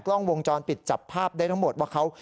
กล้องวงจรปิดจับภาพได้ทั้งหมดว่าเขา